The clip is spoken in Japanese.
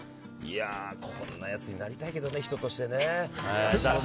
こんなやつになりたいけどね人としてね。